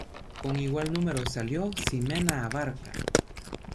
Con igual número salió Ximena Abarca.